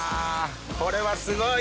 これはすごい！